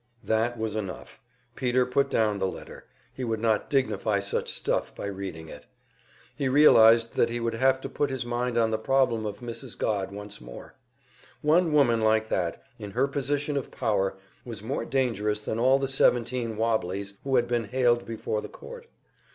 That was enough! Peter put down the letter he would not dignify such stuff by reading it. He realized that he would have to put his mind on the problem of Mrs. Godd once more. One woman like that, in her position of power, was more dangerous than all the seventeen "wobblies" who had been haled before the court.